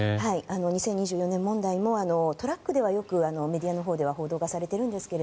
２０２４年問題もトラックではよくメディアのほうでは報道されているんですが